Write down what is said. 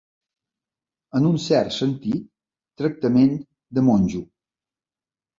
En un cert sentit, tractament de monjo.